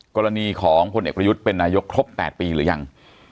กรณีของพลเอกประยุทธ์เป็นนายกครบ๘ปีหรือยัง